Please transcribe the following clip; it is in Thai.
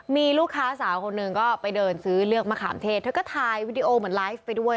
มีลูกค้าสาวคนหนึ่งก็ไปเดินซื้อเลือกมะขามเทศเธอก็ถ่ายวิดีโอเหมือนไลฟ์ไปด้วย